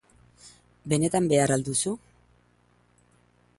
Benetan behar al duzu?